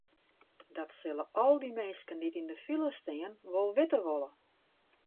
Dat sille al dy minsken dy't yn de file stean wol witte wolle.